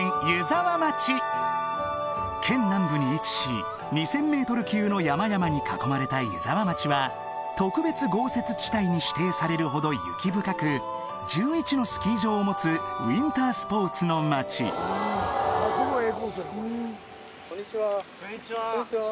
県南部に位置し２０００ｍ級の山々に囲まれた湯沢町は特別豪雪地帯に指定されるほど雪深く１１のスキー場を持つウインタースポーツの町え？